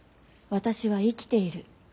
私は生きている。